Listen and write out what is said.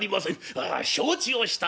「ああ承知をした。